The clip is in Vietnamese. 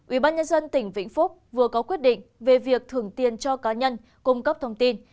ủy ban nhân dân tỉnh vĩnh phúc vừa có quyết định về việc thưởng tiền cho cá nhân cung cấp thông tin